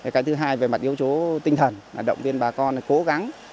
cái thứ hai về mặt yếu tố tinh thần là động viên bà con cố gắng